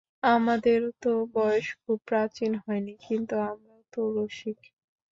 আমাদেরও তো বয়স খুব প্রাচীন হয় নি, কিন্তু আমরা তো– রসিক।